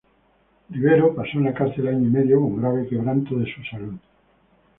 Rivero pasó en la cárcel año y medio, con grave quebranto de su salud.